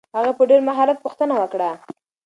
هغې په ډېر مهارت پوښتنه وکړه.